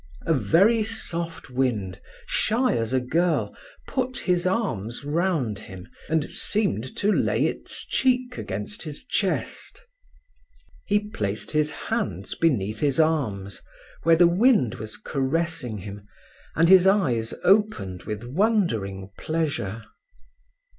A very soft wind, shy as a girl, put his arms round him, and seemed to lay its cheek against his chest. He placed his hands beneath his arms, where the wind was caressing him, and his eyes opened with wondering pleasure.